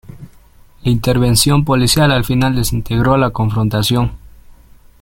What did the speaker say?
La intervención policial al final desintegró la confrontación.